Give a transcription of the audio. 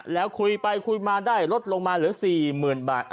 แล้วคุยไปคุยมาได้ลดลงมาเหลือ๔๐๐๐บาท